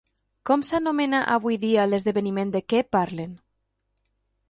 Com s'anomena avui dia l'esdeveniment de què parlen?